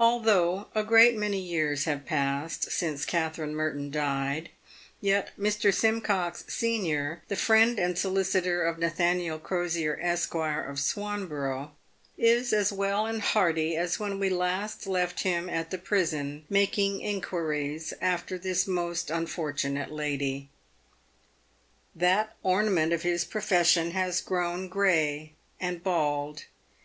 Although a great many years have passed since Katherine Merton died, yet Mr. Simcox, senior, the friend and solicitor of Nathaniel Crosier, Esquire, of Swanborough, is as well and hearty as when we last left him at the prison making inquiries after this most unfortu nate lady. That ornament of his profession has grown grey and bald.